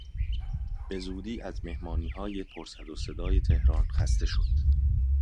به زودی از مهمانیهای پر سر و صدای تهران خسته شد.